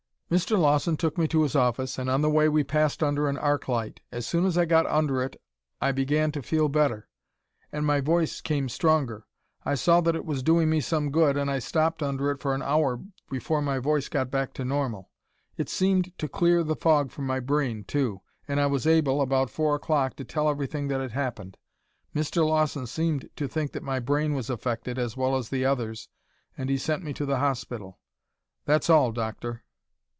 "Mr. Lawson took me to his office, and on the way we passed under an arc light. As soon as I got under it I begin to feel better, and my voice came stronger. I saw that it was doing me some good and I stopped under it for an hour before my voice got back to normal. It seemed to clear the fog from my brain, too, and I was able, about four o'clock, to tell everything that had happened. Mr. Lawson seemed to think that my brain was affected as well as the others' and he sent me to the hospital. That's all, Doctor."